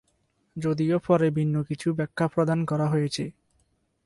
যদিও পরে ভিন্ন কিছু ব্যাখা প্রদান করা হয়েছে।